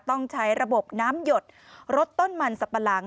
ต้องใช้ระบบน้ำหยดลดต้นมันสับปะหลัง